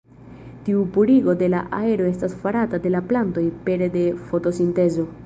Tiu purigo de la aero estas farata de la plantoj pere de fotosintezo.